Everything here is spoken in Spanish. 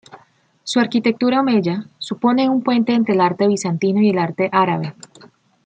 Su arquitectura omeya supone un puente entre el arte bizantino y el arte árabe.